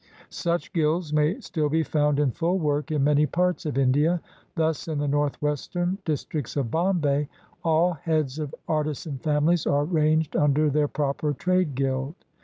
Such guilds may still be found in full work in many parts of India. Thus, in the Northwestern Dis tricts of Bombay, all heads of artisan families are ranged under their proper trade guild.